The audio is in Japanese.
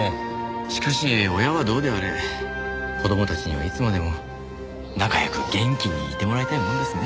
しかし親はどうであれ子供たちにはいつまでも仲良く元気にいてもらいたいものですね。